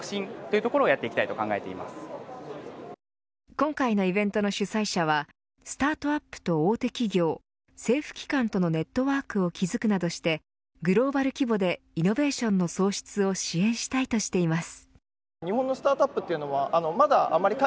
今回のイベントの主催者はスタートアップと大手企業政府機関とのネットワークを築くなどしてグローバル規模でイノベーションの創出を支援したいとしています。